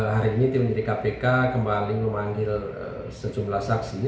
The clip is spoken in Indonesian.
hari ini tim penyelidikan kpk kembali memandil sejumlah saksi